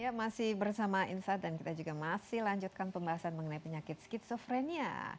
ya masih bersama insight dan kita juga masih lanjutkan pembahasan mengenai penyakit skizofrenia